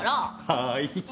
はい。